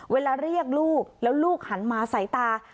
เวลาเรียกลูกแล้วลูกหันมาสายตา